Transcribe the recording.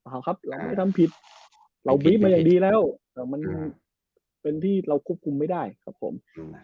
เอาครับหลังไปทำผิดเราบีฟมาอย่างดีแล้วมันเป็นที่เราควบคุมไม่ได้ครับผม